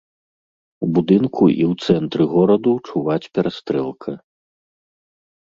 У будынку і ў цэнтры гораду чуваць перастрэлка.